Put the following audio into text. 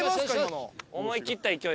思い切った勢いで。